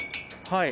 はい。